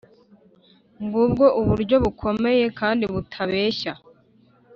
ngubwo uburyo bukomeye kandi butabeshya,